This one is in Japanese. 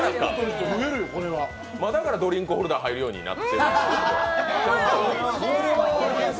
だからドリンクホルダー入るようになっているんです。